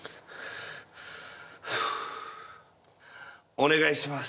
お願いします。